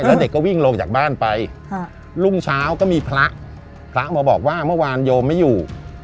แล้วเด็กก็วิ่งลงจากบ้านไปรุ่งเช้าก็มีพระพระมาบอกว่าเมื่อวานโยมไม่อยู่